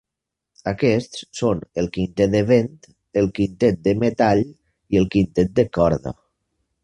Aquests són el quintet de vent, el quintet de metall i el quintet de corda.